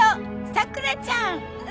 桜ちゃん！